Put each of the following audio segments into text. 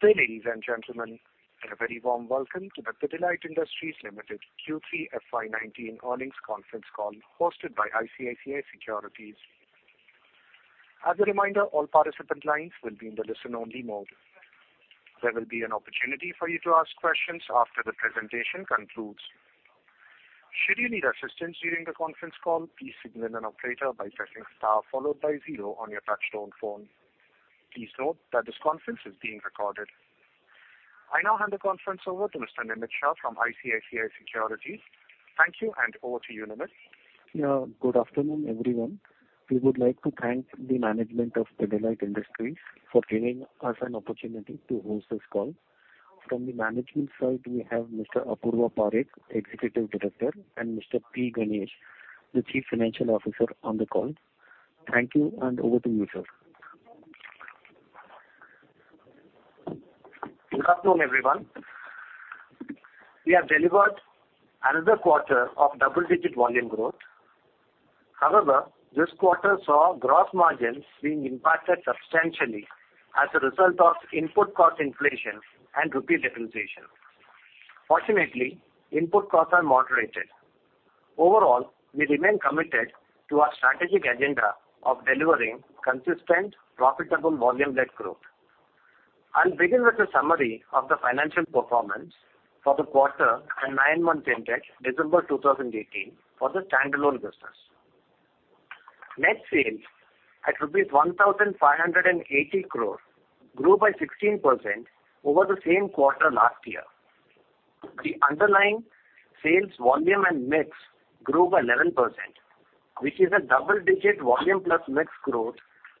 Good day, ladies, and gentlemen, and a very warm welcome to the Pidilite Industries Limited Q3 FY 2019 Earnings Conference call hosted by ICICI Securities. As a reminder, all participant lines will be in the listen-only mode. There will be an opportunity for you to ask questions after the presentation concludes. Should you need assistance during the conference call, please signal an operator by pressing star followed by zero on your touch tone phone. Please note that this conference is being recorded. I now hand the conference over to Mr. Nimesh Shah from ICICI Securities. Thank you, and over to you, Nimesh. Good afternoon, everyone. We would like to thank the management of Pidilite Industries for giving us an opportunity to host this call. From the management side, we have Mr. Apurva Parekh, Executive Director, and Mr. P. Ganesh, the Chief Financial Officer on the call. Thank you, and over to you, sir. Good afternoon, everyone. We have delivered another quarter of double-digit volume growth. This quarter saw gross margins being impacted substantially as a result of input cost inflation and rupee depreciation. Input costs are moderated. We remain committed to our strategic agenda of delivering consistent, profitable volume-led growth. I'll begin with a summary of the financial performance for the quarter and nine months ended December 2018 for the standalone business. Net sales at rupees 1,580 crore grew by 16% over the same quarter last year. The underlying sales volume and mix grew by 11%, which is a double-digit volume plus mix growth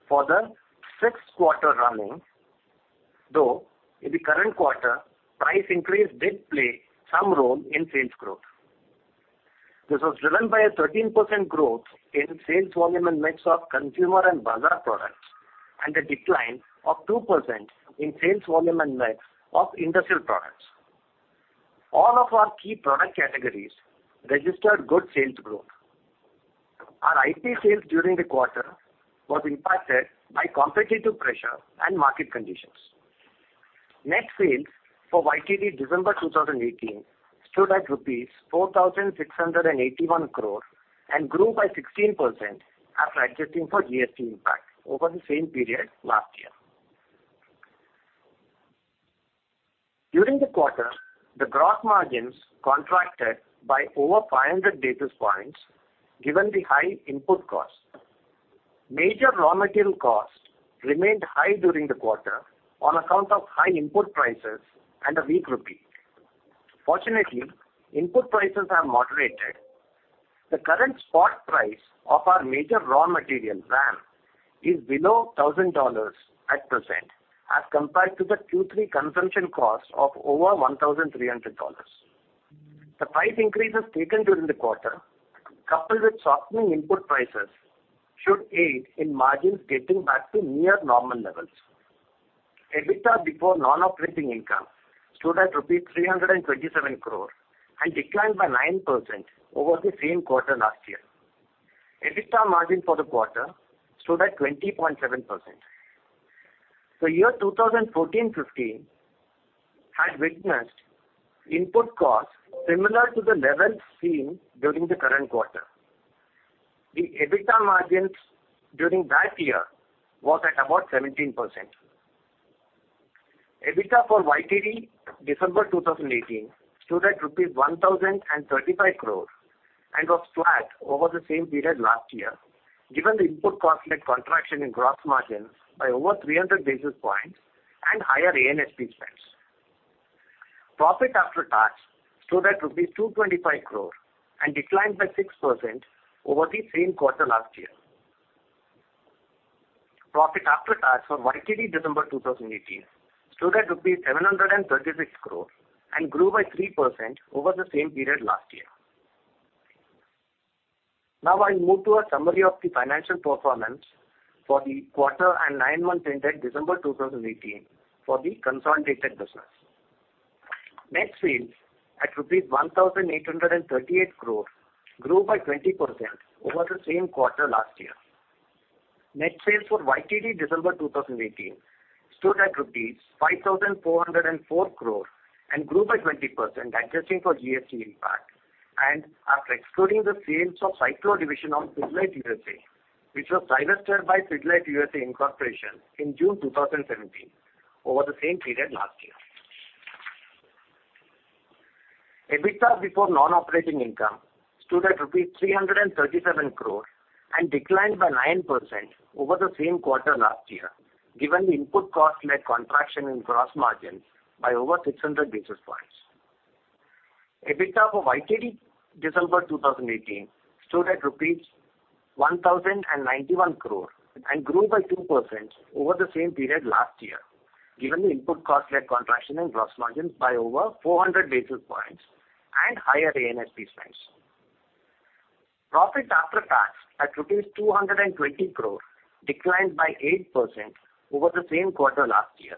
for the sixth quarter running, though in the current quarter, price increase did play some role in sales growth. This was driven by a 13% growth in sales volume and mix of consumer and bazaar products, a decline of 2% in sales volume and mix of industrial products. All of our key product categories registered good sales growth. Our IP sales during the quarter was impacted by competitive pressure and market conditions. Net sales for YTD December 2018 stood at rupees 4,681 crore and grew by 16% after adjusting for GST impact over the same period last year. During the quarter, the gross margins contracted by over 500 basis points given the high input costs. Major raw material costs remained high during the quarter on account of high input prices and a weak rupee. Input prices have moderated. The current spot price of our major raw material, VAM, is below 1,000 dollars at present as compared to the Q3 consumption cost of over 1,300 dollars. The price increases taken during the quarter, coupled with softening input prices, should aid in margins getting back to near normal levels. EBITDA before non-operating income stood at rupees 327 crore and declined by 9% over the same quarter last year. EBITDA margin for the quarter stood at 20.7%. The year 2014-15 had witnessed input costs similar to the levels seen during the current quarter. The EBITDA margins during that year was at about 17%. EBITDA for YTD December 2018 stood at rupees 1,035 crore and was flat over the same period last year, given the input cost led contraction in gross margin by over 300 basis points and higher A&SP spends. Profit after tax stood at rupees 225 crore and declined by 6% over the same quarter last year. Profit after tax for YTD December 2018 stood at 736 crore and grew by 3% over the same period last year. Now I'll move to a summary of the financial performance for the quarter and nine months ended December 2018 for the consolidated business. Net sales at rupees 1,838 crore grew by 20% over the same quarter last year. Net sales for YTD December 2018 stood at rupees 5,404 crore and grew by 20% adjusting for GST impact and after excluding the sales of Cyclo division of Pidilite USA, Inc., which was divested by Pidilite USA, Inc. in June 2017 over the same period last year. EBITDA before non-operating income stood at rupees 337 crore and declined by 9% over the same quarter last year, given the input cost led contraction in gross margins by over 600 basis points. EBITDA for YTD December 2018 stood at rupees 1,091 crore and grew by 2% over the same period last year, given the input cost led contraction in gross margins by over 400 basis points and higher A&SP spends. Profit after tax at 220 crore declined by 8% over the same quarter last year.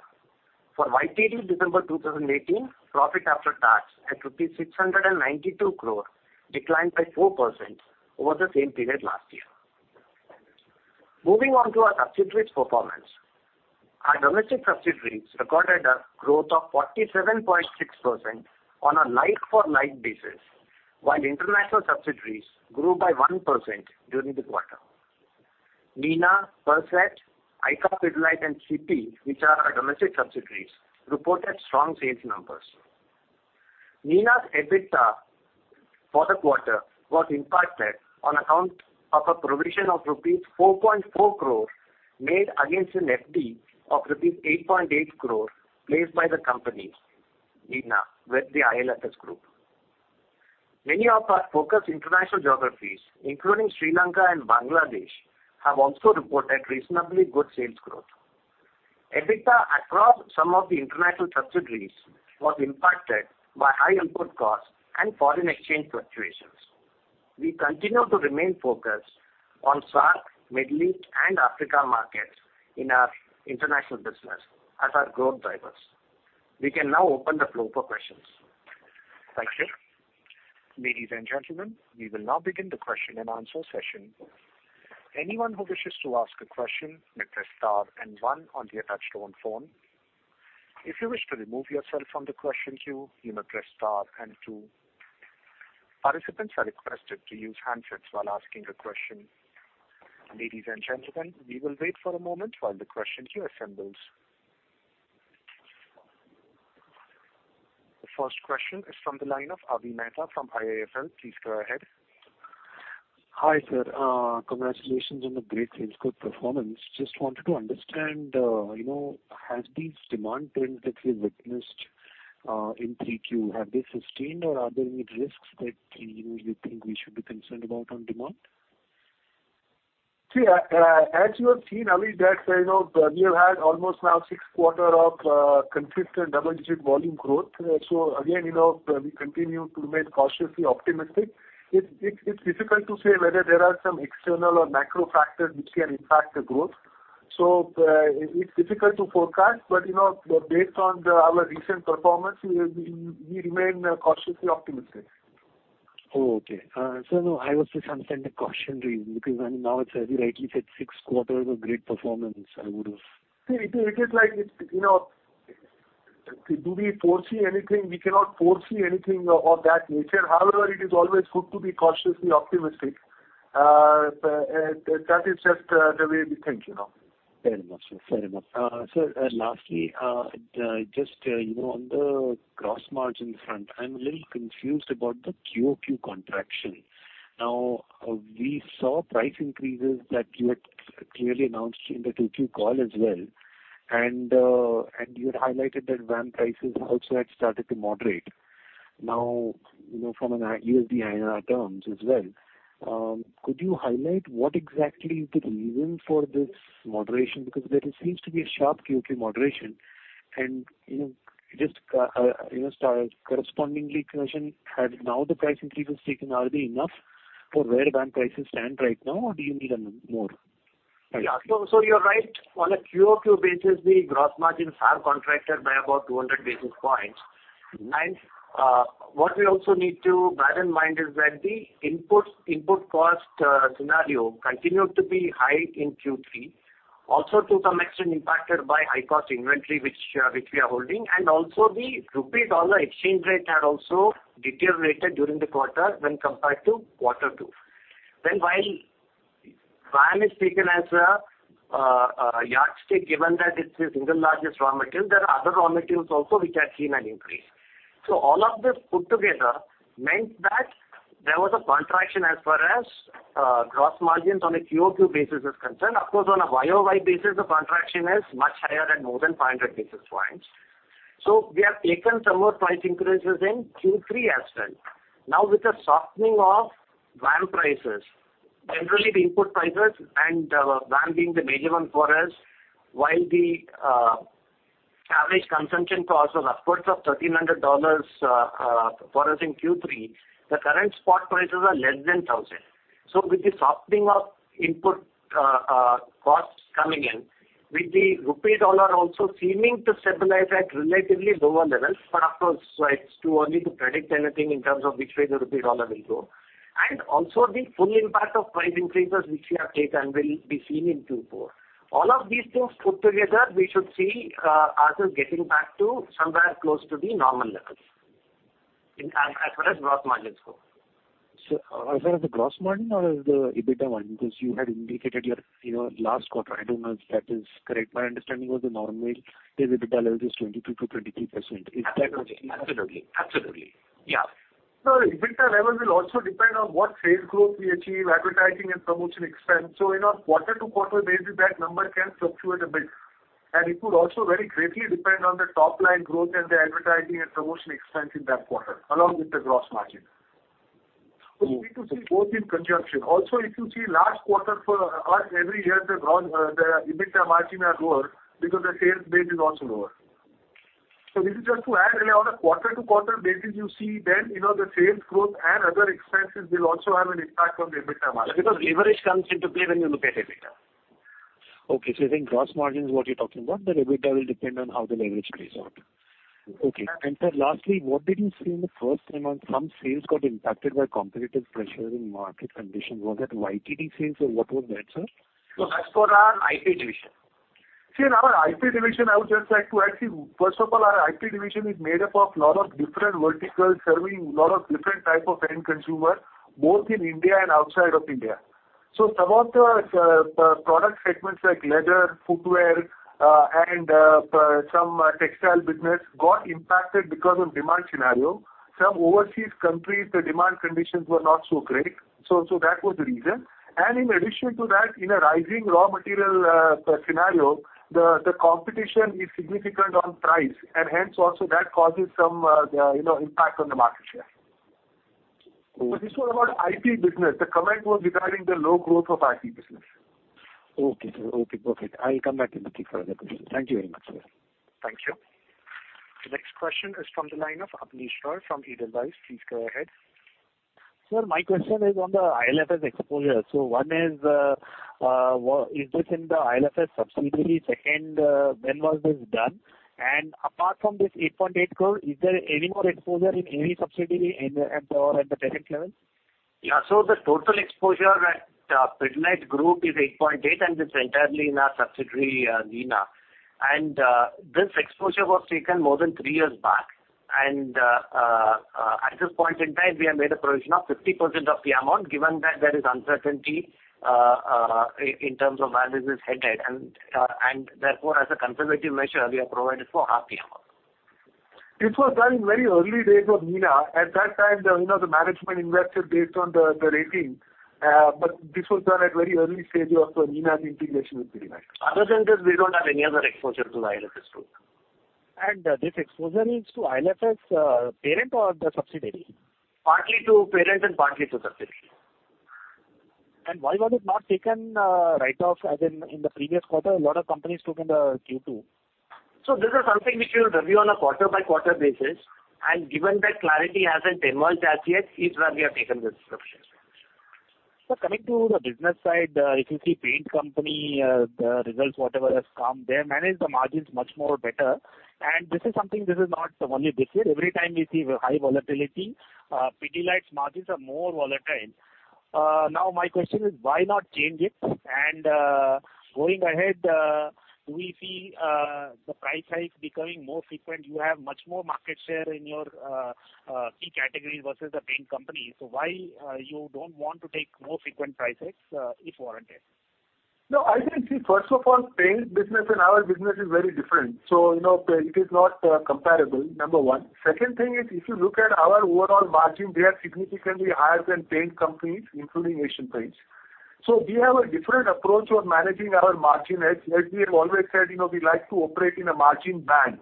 For YTD December 2018, profit after tax at rupees 692 crore declined by 4% over the same period last year. Moving on to our subsidiaries performance. Our domestic subsidiaries recorded a growth of 47.6% on a like-for-like basis, while international subsidiaries grew by 1% during the quarter. Nina, Percept, ICA Pidilite, and CIPY, which are our domestic subsidiaries, reported strong sales numbers. Nina's EBITDA for the quarter was impacted on account of a provision of rupees 4.4 crore made against an FD of rupees 8.8 crore placed by the company, Nina, with the IL&FS Group. Many of our focused international geographies, including Sri Lanka and Bangladesh, have also reported reasonably good sales growth. EBITDA across some of the international subsidiaries was impacted by high input costs and foreign exchange fluctuations. We continue to remain focused on SAARC, Middle East, and Africa markets in our international business as our growth drivers. We can now open the floor for questions. Thank you. Ladies and gentlemen, we will now begin the question-and-answer session. Anyone who wishes to ask a question may press star and one on the attached phone. If you wish to remove yourself from the question queue, you may press star and two. Participants are requested to use handsets while asking a question. Ladies and gentlemen, we will wait for a moment while the question queue assembles. The first question is from the line of Avi Mehta from IIFL. Please go ahead. Hi, sir. Congratulations on the great sales growth performance. Just wanted to understand, has these demand trends that we've witnessed in Q3, have they sustained or are there any risks that you think we should be concerned about on demand? See, as you have seen, Avi, that we have had almost now six quarter of consistent double-digit volume growth. Again, we continue to remain cautiously optimistic. It's difficult to say whether there are some external or macro factors which can impact the growth. It's difficult to forecast, but based on our recent performance, we remain cautiously optimistic. Oh, okay. Sir, no, I was just understanding cautionary because now it's, as you rightly said, six quarters of great performance. See, do we foresee anything? We cannot foresee anything of that nature. However, it is always good to be cautiously optimistic. That is just the way we think. Fair enough, sir. Sir, lastly, just on the gross margin front, I'm a little confused about the quarter-over-quarter contraction. We saw price increases that you had clearly announced in the Q2 call as well, and you had highlighted that VAM prices also had started to moderate. From an USD-INR terms as well. Could you highlight what exactly is the reason for this moderation? Because there seems to be a sharp quarter-over-quarter moderation and just correspondingly question, had the price increases taken are they enough for where VAM prices stand right now, or do you need any more? You're right. On a quarter-over-quarter basis, the gross margins have contracted by about 200 basis points. What we also need to bear in mind is that the input cost scenario continued to be high in Q3, also to some extent impacted by high-cost inventory which we are holding, and also the rupee dollar exchange rate had also deteriorated during the quarter when compared to quarter two. While VAM is taken as a yardstick, given that it's the single largest raw material, there are other raw materials also which have seen an increase. All of this put together meant that there was a contraction as far as gross margins on a quarter-over-quarter basis is concerned. Of course, on a year-over-year basis, the contraction is much higher at more than 500 basis points. We have taken some more price increases in Q3 as well. With the softening of VAM prices, generally the input prices and VAM being the major one for us, while the average consumption cost was upwards of $1,300 for us in Q3, the current spot prices are less than $1,000. With the softening of input costs coming in, with the rupee dollar also seeming to stabilize at relatively lower levels, of course, it's too early to predict anything in terms of which way the rupee dollar will go. Also the full impact of price increases which we have taken will be seen in Q4. All of these things put together, we should see us getting back to somewhere close to the normal levels, as far as gross margins go. Sir, as far as the gross margin or the EBITDA margin, you had indicated your last quarter, I don't know if that is correct. My understanding was the normal EBITDA level is 22%-23%. Is that correct? Absolutely. Yeah. EBITDA level will also depend on what sales growth we achieve, advertising and promotion expense. In a quarter-to-quarter basis, that number can fluctuate a bit. It could also very greatly depend on the top-line growth and the advertising and promotion expense in that quarter, along with the gross margin. You need to see both in conjunction. If you see last quarter for us every year, the EBITDA margin are lower because the sales base is also lower. This is just to add, on a quarter-to-quarter basis, the sales growth and other expenses will also have an impact on the EBITDA margin. Leverage comes into play when you look at EBITDA. Okay. You think gross margin is what you are talking about, but EBITDA will depend on how the leverage plays out. Okay. Sir, lastly, what did you say in the first semester? Some sales got impacted by competitive pressure in market conditions. Was that YTD sales or what was that, sir? As for our IP division. In our IP division, I would just like to add, first of all, our IP division is made up of lot of different verticals serving lot of different type of end consumer, both in India and outside of India. Some of the product segments like leather, footwear, and some textile business got impacted because of demand scenario. Some overseas countries, the demand conditions were not so great. That was the reason. In addition to that, in a rising raw material scenario, the competition is significant on price, and hence, also that causes some impact on the market share. This was about IP business. The comment was regarding the low growth of IP business. Okay, sir. Perfect. I will come back to you for other questions. Thank you very much, sir. Thank you. The next question is from the line of Abhijeet Sharma from Edelweiss. Please go ahead. Sir, my question is on the IL&FS exposure. One is this in the IL&FS subsidiary? Second, when was this done? Apart from this 8.8 crore, is there any more exposure in any subsidiary or at the parent level? Yeah. The total exposure at Pidilite Group is 8.8 crore, and it's entirely in our subsidiary, Nina. This exposure was taken more than three years back. At this point in time, we have made a provision of 50% of the amount, given that there is uncertainty in terms of where this is headed. Therefore, as a conservative measure, we have provided for half the amount. This was done in very early days of Nina. At that time, the management invested based on the rating, but this was done at very early stage of Nina's integration with Pidilite. Other than this, we don't have any other exposure to the IL&FS Group. This exposure is to IL&FS parent or the subsidiary? Partly to parent and partly to subsidiary. Why was it not taken right off as in the previous quarter? A lot of companies took in the Q2. This is something which we review on a quarter-by-quarter basis. Given that clarity hasn't emerged as yet, it's where we have taken this provision. Sir, coming to the business side, if you see paint company, the results, whatever has come, they have managed the margins much more better. This is something this is not only this year. Every time we see high volatility, Pidilite's margins are more volatile. My question is, why not change it? Going ahead, do we see the price hikes becoming more frequent? You have much more market share in your key categories versus the paint company. Why you don't want to take more frequent price hikes if warranted? First of all, paint business and our business is very different. It is not comparable, number one. Second thing is, if you look at our overall margin, we are significantly higher than paint companies, including Asian Paints. We have a different approach of managing our margin edge. Like we have always said, we like to operate in a margin band.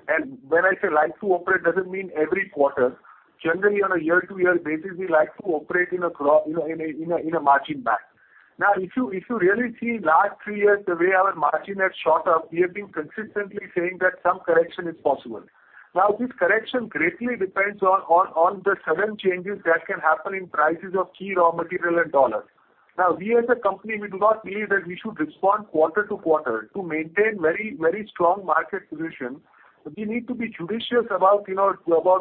When I say like to operate, doesn't mean every quarter. Generally, on a year-to-year basis, we like to operate in a margin band. If you really see last three years, the way our margin has shot up, we have been consistently saying that some correction is possible. This correction greatly depends on the sudden changes that can happen in prices of key raw material and dollar. We as a company, we do not believe that we should respond quarter-to-quarter. To maintain very strong market position, we need to be judicious about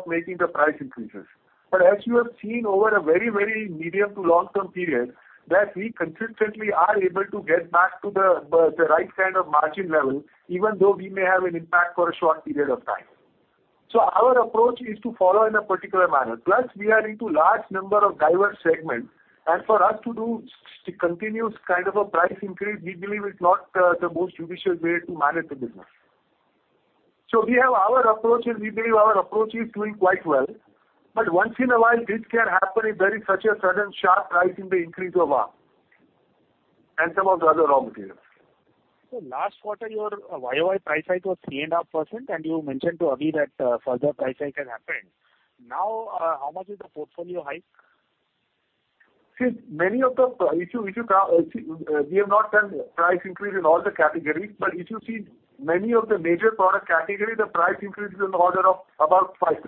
making the price increases. As you have seen over a very medium to long-term period, that we consistently are able to get back to the right kind of margin level, even though we may have an impact for a short period of time. Our approach is to follow in a particular manner. We are into large number of diverse segments, for us to do continuous kind of a price increase, we believe is not the most judicious way to manage the business. We have our approach, we believe our approach is doing quite well. Once in a while, this can happen if there is such a sudden sharp rise in the increase of raw and some of the other raw materials. Last quarter, your YOY price hike was 3.5%, you mentioned too, Abhi, that further price hike has happened. How much is the portfolio hike? We have not done price increase in all the categories, if you see many of the major product category, the price increase is in the order of about 5%.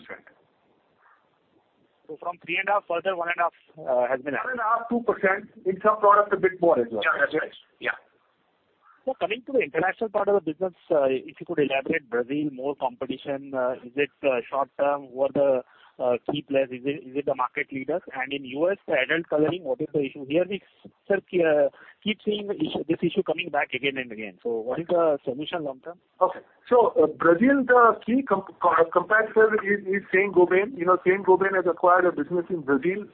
From 3.5, further 1.5 has been added. 1.5, 2%. In some products, a bit more as well. Yeah. Sir, coming to the international part of the business, if you could elaborate. Brazil, more competition. Is it short-term? What are the key players? Is it the market leaders? In U.S., the adult coloring, what is the issue here? We keep seeing this issue coming back again and again. What is the solution long-term? Okay. Brazil, the key competitor is Saint-Gobain. Saint-Gobain has acquired a business in Brazil,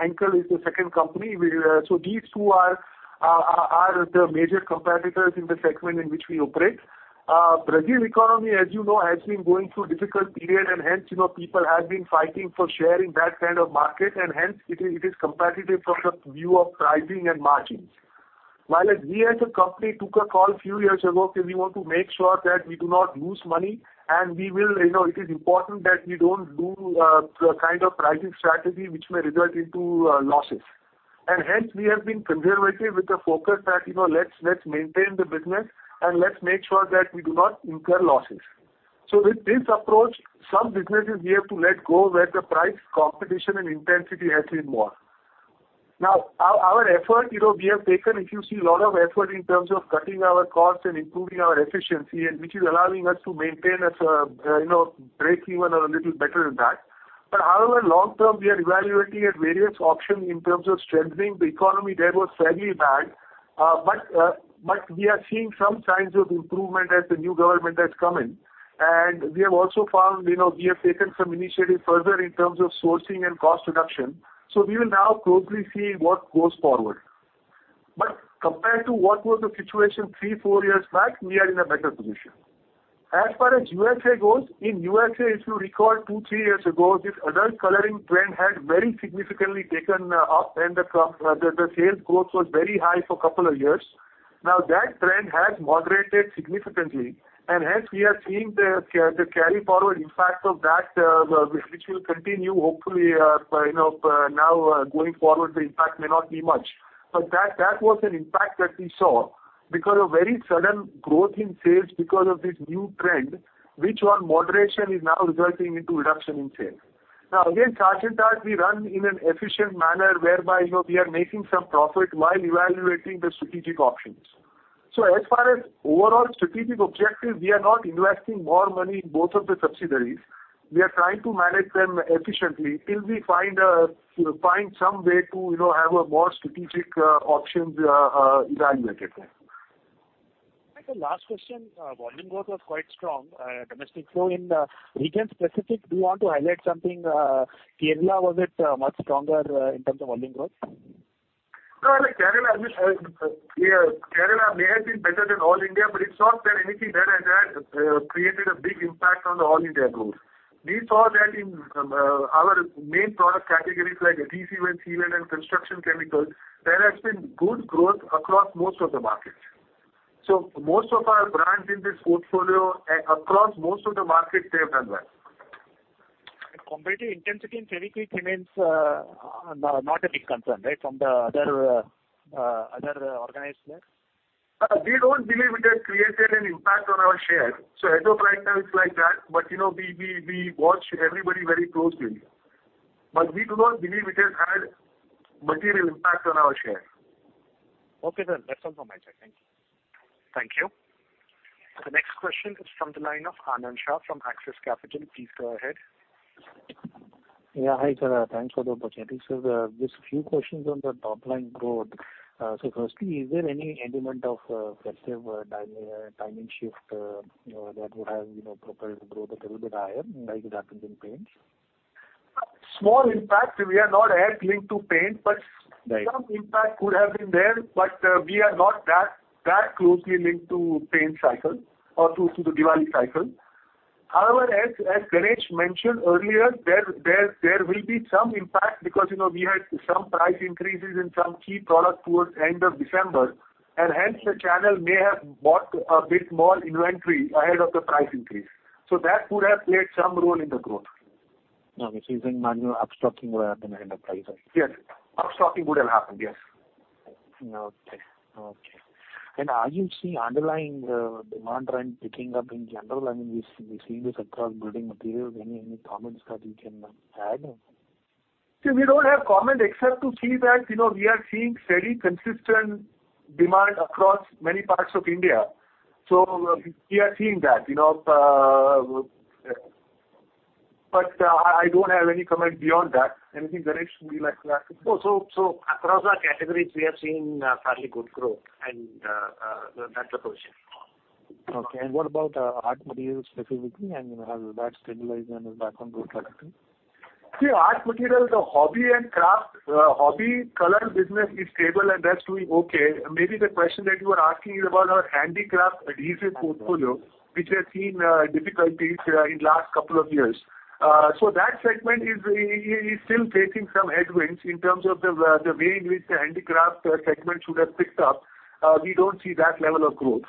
Henkel is the second company. These two are the major competitors in the segment in which we operate. Brazil economy, as you know, has been going through a difficult period, hence, people have been fighting for share in that kind of market, hence it is competitive from the view of pricing and margins. While we as a company took a call a few years ago, because we want to make sure that we do not lose money, it is important that we don't do the kind of pricing strategy which may result into losses. Hence, we have been conservative with the focus that, let's maintain the business and let's make sure that we do not incur losses. With this approach, some businesses we have to let go where the price competition and intensity has been more. Now, our effort, we have taken, if you see, a lot of effort in terms of cutting our costs and improving our efficiency, which is allowing us to maintain break even or a little better than that. However, long term, we are evaluating various options in terms of strengthening the economy. There was fairly bad. We are seeing some signs of improvement as the new government has come in. We have also found, we have taken some initiatives further in terms of sourcing and cost reduction. We will now closely see what goes forward. Compared to what was the situation three, four years back, we are in a better position. As far as U.S.A. goes, in U.S.A., if you recall two, three years ago, this adult coloring trend had very significantly taken off and the sales growth was very high for a couple of years. That trend has moderated significantly, and hence we are seeing the carry forward impact of that, which will continue hopefully, now going forward, the impact may not be much. That was an impact that we saw because of very sudden growth in sales because of this new trend, which on moderation is now resulting into reduction in sales. Again, chart in chart, we run in an efficient manner whereby we are making some profit while evaluating the strategic options. As far as overall strategic objective, we are not investing more money in both of the subsidiaries. We are trying to manage them efficiently till we find some way to have more strategic options evaluated. Right. The last question, volume growth was quite strong, domestic. In region-specific, do you want to highlight something? Kerala, was it much stronger in terms of volume growth? Kerala may have been better than all India, but it's not that anything there has created a big impact on the all India growth. We saw that in our main product categories like adhesive and sealant and construction chemicals, there has been good growth across most of the markets. Most of our brands in this portfolio, across most of the markets, they've done well. Competitive intensity in sealants remains not a big concern, right? From the other organizers. We don't believe it has created an impact on our share. As of right now, it's like that, but we watch everybody very closely. We do not believe it has had material impact on our share. Okay, sir. That's all from my side. Thank you. Thank you. The next question is from the line of Anand Shah from Axis Capital. Please go ahead. Yeah. Hi, sir. Thanks for the opportunity. Firstly, is there any element of festive timing shift that would have propelled growth a little bit higher, like it happens in paints? Small impact. We are not as linked to paint, but… Right. ...some impact could have been there, but we are not that closely linked to paint cycle or to the Diwali cycle. However, as Ganesh mentioned earlier, there will be some impact because we had some price increases in some key products towards end of December, and hence the channel may have bought a bit more inventory ahead of the price increase. That could have played some role in the growth. Okay. You think manual upstocking would have been ahead of prices. Yes. Upstocking would have happened. Yes. Okay. Are you seeing underlying demand trend picking up in general? We see this across building materials. Any comments that you can add? We don't have comment except to say that we are seeing fairly consistent demand across many parts of India. We are seeing that. I don't have any comment beyond that. Anything, Ganesh, you would like to add? No. Across our categories, we are seeing fairly good growth, and that's the position. Okay. What about art materials specifically? Has that stabilized and is back on growth trajectory? Art materials, the hobby, and craft. Hobby color business is stable, and that's doing okay. Maybe the question that you are asking is about our handicraft adhesive portfolio, which has seen difficulties in last couple of years. That segment is still facing some headwinds in terms of the way in which the handicraft segment should have picked up. We don't see that level of growth.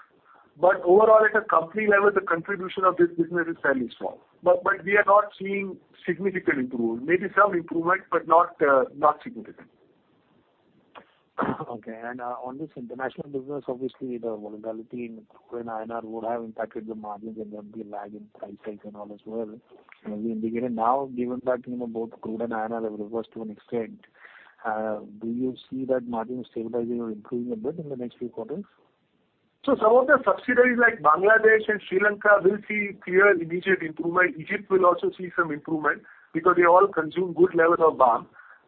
Overall, at a company level, the contribution of this business is fairly small. We are not seeing significant improvement. Maybe some improvement, but not significant. Okay. On this international business, obviously, the volatility in crude and INR would have impacted the margins and there'd be a lag in price hike and all as well. As we begin now, given that both crude and INR have reversed to an extent, do you see that margin stabilizing or improving a bit in the next few quarters? Some of the subsidiaries like Bangladesh and Sri Lanka will see clear immediate improvement. Egypt will also see some improvement because they all consume good levels of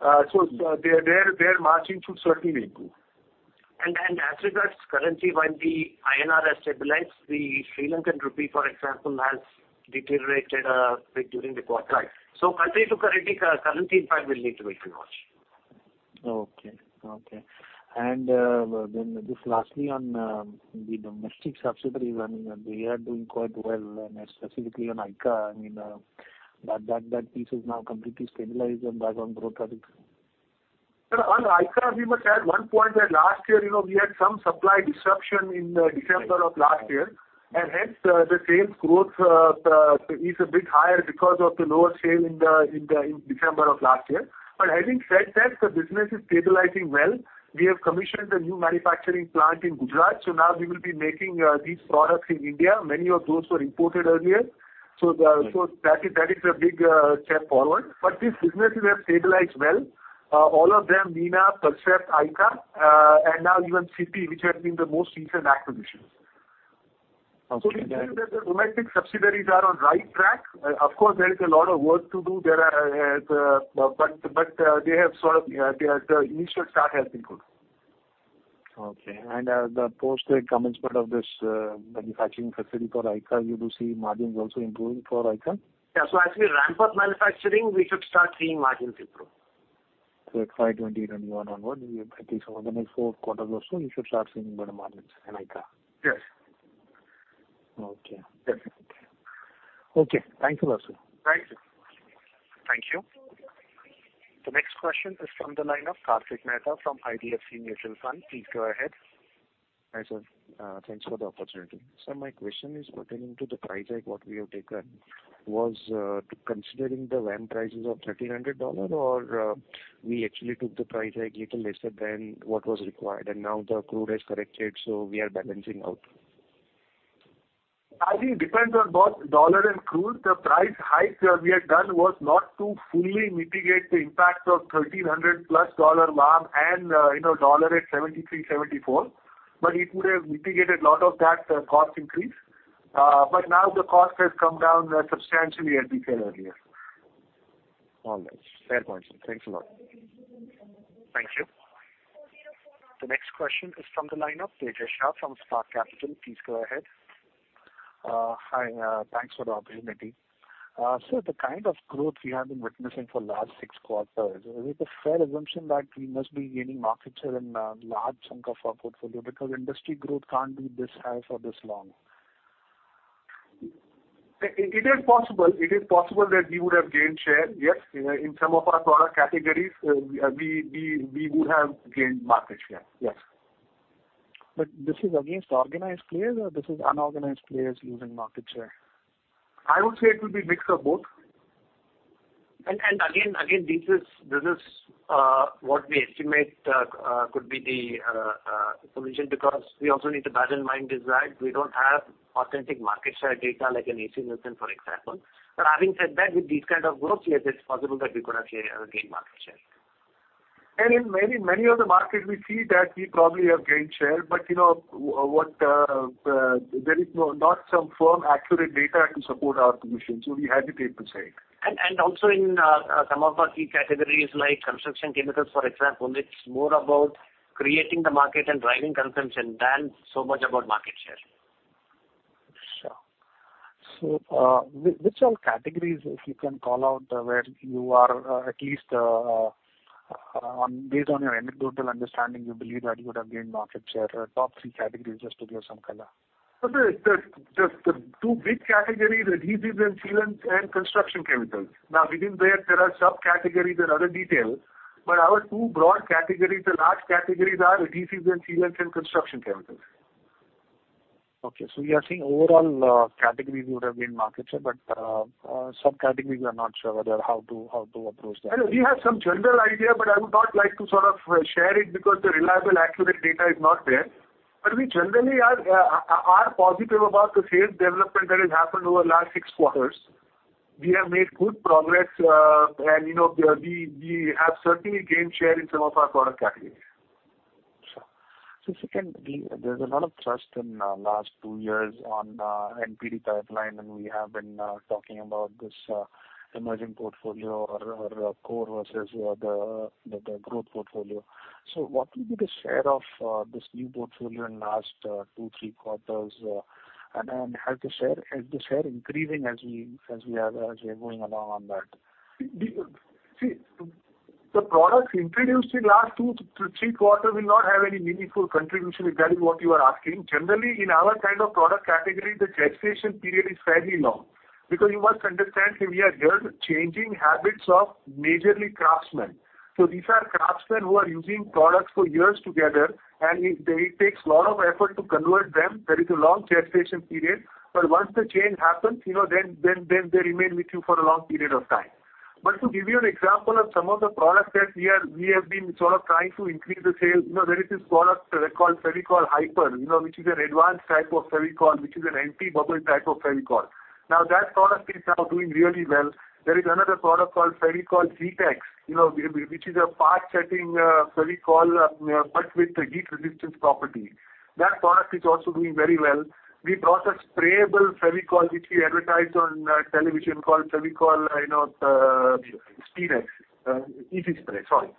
palm. Their margins should certainly improve. As regards currency, while the INR has stabilized, the Sri Lankan rupee, for example, has deteriorated a bit during the quarter. Country to currency impact will need to be watched. Just lastly on the domestic subsidiary, they are doing quite well, specifically on ICA. That piece is now completely stabilized and back on growth trajectory. On ICA, we must add one point that last year, we had some supply disruption in December of last year, and hence the sales growth is a bit higher because of the lower sale in December of last year. Having said that, the business is stabilizing well. We have commissioned a new manufacturing plant in Gujarat, now we will be making these products in India. Many of those were imported earlier. That is a big step forward. This business we have stabilized well, all of them, Nina, Percept, ICA, and now even CIPY, which has been the most recent acquisition. We feel that the domestic subsidiaries are on right track. There is a lot of work to do there, but the initial start has been good. Okay. The post commencement of this manufacturing facility for ICA, you do see margins also improving for ICA? Yeah. As we ramp up manufacturing, we should start seeing margins improve. At 2020-2021 onward, at least over the next four quarters or so, you should start seeing better margins in ICA. Yes. Okay. Yes. Okay. Thank you, Apurva. Thank you. Thank you. The next question is from the line of Kartik Mehta from HDFC Mutual Fund. Please go ahead. Hi, sir. Thanks for the opportunity. Sir, my question is pertaining to the price hike what we have taken. Was to considering the VAM prices of $1,300 or we actually took the price hike little lesser than what was required, now the crude has corrected, we are balancing out? I think depends on both dollar and crude. The price hike we had done was not to fully mitigate the impact of $1,300 plus dollar VAM and dollar at 73–74. It would have mitigated lot of that cost increase. Now the cost has come down substantially as we said earlier. All right. Fair point, sir. Thanks a lot. Thank you. The next question is from the line of Tejash Shah from Spark Capital. Please go ahead. Hi, thanks for the opportunity. Sir, the kind of growth we have been witnessing for last six quarters, is it a fair assumption that we must be gaining market share in large chunk of our portfolio because industry growth can't be this high for this long. It is possible that we would have gained share, yes. In some of our product categories, we would have gained market share. Yes. This is against organized players or this is unorganized players losing market share? I would say it will be mix of both. Again, this is what we estimate could be the solution because we also need to bear in mind is that we don't have authentic market share data like an ACNielsen, for example. Having said that, with these kind of growth, yes, it's possible that we could have gained market share. In many of the markets we see that we probably have gained share. There is not some firm accurate data to support our conclusion, we hesitate to say it. Also in some of our key categories like construction chemicals, for example, it's more about creating the market and driving consumption than so much about market share. Sure. Which all categories, if you can call out where you are at least based on your anecdotal understanding you believe that you would have gained market share, top three categories just to give some color? The two big categories, adhesives, and sealants and construction chemicals. Within that there are subcategories and other details, but our two broad categories, the large categories are adhesives and sealants and construction chemicals. Okay, we are seeing overall categories would have been market share but subcategories we are not sure whether how to approach that. We have some general idea but I would not like to sort of share it because the reliable accurate data is not there. We generally are positive about the sales development that has happened over last six quarters. We have made good progress and we have certainly gained share in some of our product categories. Sure. Second, there's a lot of trust in last two years on NPD pipeline and we have been talking about this emerging portfolio or core versus the growth portfolio. What will be the share of this new portfolio in last two, three quarters and has the share increasing as we are going along on that? See, the products introduced in last two to three quarters will not have any meaningful contribution if that is what you are asking. Generally, in our kind of product category the gestation period is fairly long because you must understand here we are here changing habits of majorly craftsmen. These are craftsmen who are using products for years together and it takes lot of effort to convert them. There is a long gestation period but once the change happens then they remain with you for a long period of time. To give you an example of some of the products that we have been sort of trying to increase the sales. There is this product called Fevicol Hi-Per which is an advanced type of Fevicol which is an anti-bubble type of Fevicol. Now that product is now doing really well. There is another product called Fevicol C Tex which is a fast setting Fevicol but with heat resistance property. That product is also doing very well. We brought a sprayable Fevicol which we advertise on television called Fevicol Ezee Spray.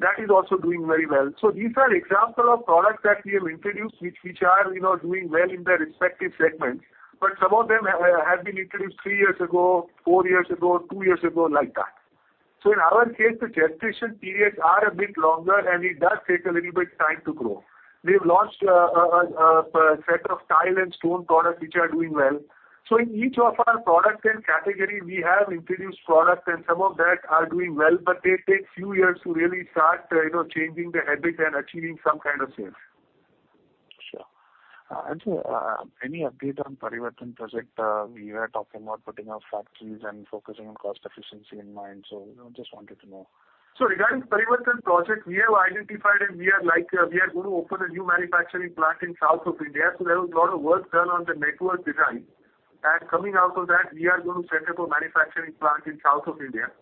That is also doing very well. These are example of products that we have introduced which are doing well in their respective segments but some of them have been introduced three years ago, four years ago, two years ago, like that. In our case the gestation periods are a bit longer and it does take a little bit time to grow. We've launched a set of tile and stone products which are doing well. In each of our products and categories we have introduced products and some of that are doing well but they take few years to really start changing the habit and achieving some kind of sales. Sure. Sir, any update on Parivartan project? We were talking about putting up factories and focusing on cost efficiency in mind just wanted to know. Regarding Parivartan project we have identified and we are going to open a new manufacturing plant in South of India. There was lot of work done on the network design and coming out of that we are going to set up a manufacturing plant in South of India.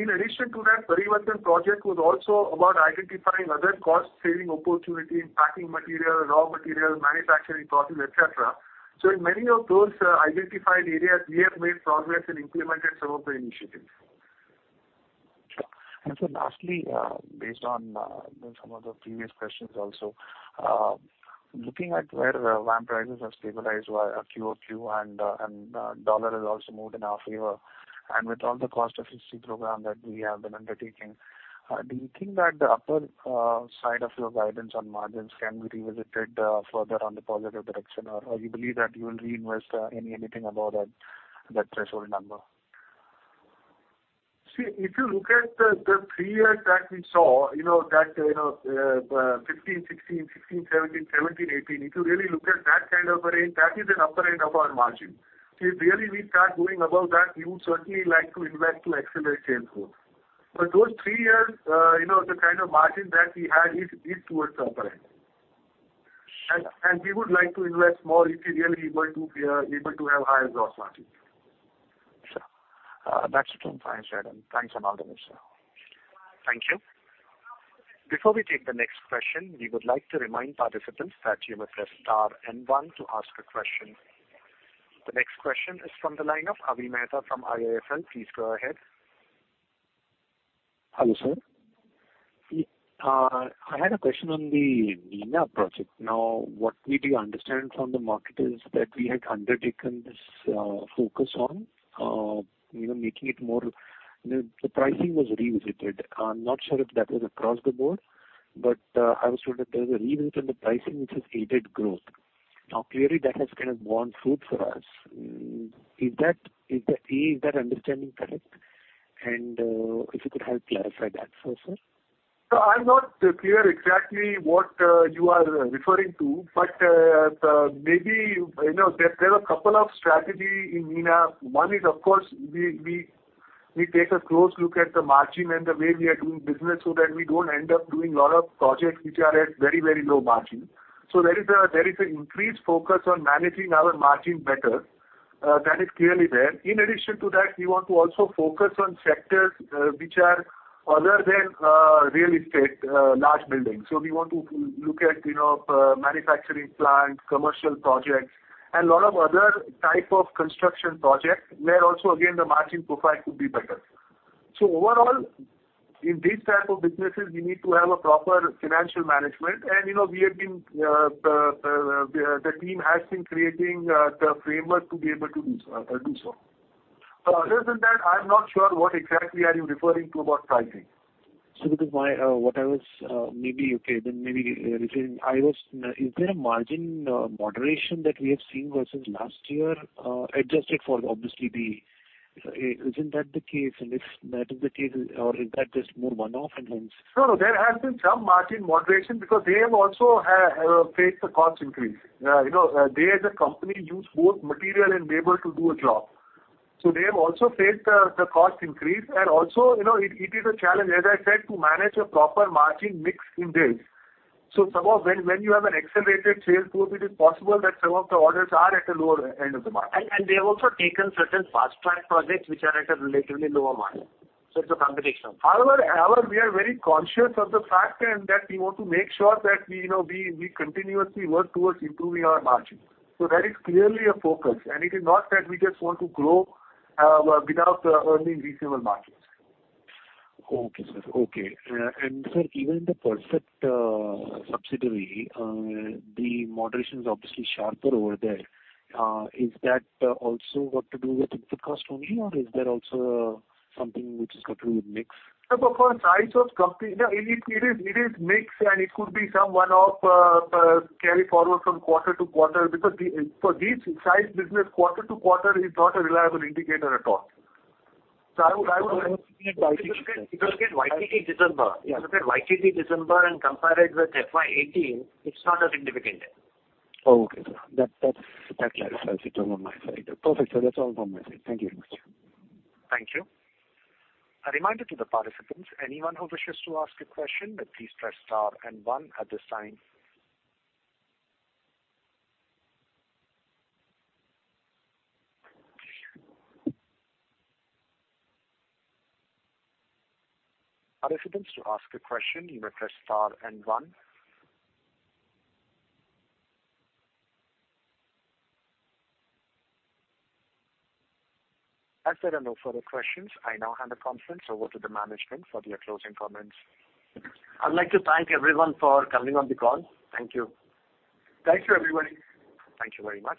In addition to that, Parivartan project was also about identifying other cost-saving opportunities in packing material, raw material, manufacturing process, et cetera. In many of those identified areas, we have made progress and implemented some of the initiatives. Sure. Sir, lastly, based on some of the previous questions also, looking at where VAM prices have stabilized QOQ, and dollar has also moved in our favor, and with all the cost efficiency program that we have been undertaking, do you think that the upper side of your guidance on margins can be revisited further on the positive direction? Or you believe that you will reinvest anything above that threshold number? If you look at the three years that we saw, that FY 2015-2016, FY 2016-2017, FY 2017-2018, if you really look at that kind of a range, that is an upper end of our margin. If really we start going above that, we would certainly like to invest to accelerate sales growth. Those three years, the kind of margin that we had is towards the upper end. We would like to invest more if we are really able to have higher gross margins. Sure. That's it. Thanks, Apurva. Thanks a lot. Thank you. Before we take the next question, we would like to remind participants that you must press star and one to ask a question. The next question is from the line of Avi Mehta from IIFL. Please go ahead. Hello, sir. I had a question on the Nina project. What we do understand from the market is that we had undertaken this focus on The pricing was revisited. I'm not sure if that was across the board. I was told that there was a revisit on the pricing, which has aided growth. Clearly that has borne fruit for us. Is that understanding correct? If you could help clarify that for us, sir. I'm not clear exactly what you are referring to, but maybe there are a couple of strategy in Nina. One is, of course, we take a close look at the margin and the way we are doing business so that we don't end up doing a lot of projects which are at very low margin. There is an increased focus on managing our margin better. That is clearly there. In addition to that, we want to also focus on sectors which are other than real estate, large buildings. We want to look at manufacturing plants, commercial projects, and lot of other type of construction projects where also, again, the margin profile could be better. Overall, in this type of businesses, we need to have a proper financial management. The team has been creating the framework to be able to do so. Other than that, I'm not sure what exactly are you referring to about pricing. Maybe rephrasing. Is there a margin moderation that we have seen versus last year? Isn't that the case? If that is the case, or is that just more one-off? No, there has been some margin moderation because they have also faced the cost increase. They as a company use both material and labor to do a job. They have also faced the cost increase, and also, it is a challenge, as I said, to manage a proper margin mix in this. Some of when you have an accelerated sales growth, it is possible that some of the orders are at a lower end of the margin. They have also taken certain fast-track projects which are at a relatively lower margin. It's a combination. However, we are very conscious of the fact and that we want to make sure that we continuously work towards improving our margins. That is clearly a focus, and it is not that we just want to grow without earning reasonable margins. Okay, sir. Sir, even the Percept subsidiary, the moderation is obviously sharper over there. Is that also got to do with input cost only, or is there also something which has got to do with mix? For size of company, it is mix and it could be some one-off carry forward from quarter to quarter because for this size business, quarter to quarter is not a reliable indicator at all. If you look at YTD December and compare it with FY 2018, it's not as indicative. Okay, sir. That clarifies it on my side. Perfect, sir. That's all from my side. Thank you very much. Thank you. A reminder to the participants, anyone who wishes to ask a question may please press star and one at this time. Participants, to ask a question, you may press star and one. As there are no further questions, I now hand the conference over to the management for their closing comments. I'd like to thank everyone for coming on the call. Thank you. Thank you, everybody. Thank you very much.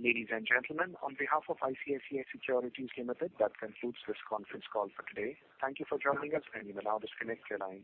Ladies and gentlemen, on behalf of ICICI Securities Limited, that concludes this conference call for today. Thank you for joining us, and you may now disconnect your lines.